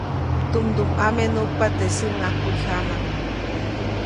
Tumdumʼame nuʼkpa teʼ säŋʼajkujyama.